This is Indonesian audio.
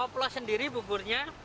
saya pula sendiri buburnya